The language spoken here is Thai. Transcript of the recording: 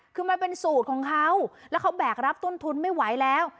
คือมันเป็นสูตรของเขาแล้วเขาแบกรับต้นทุนไม่ไหวแล้ว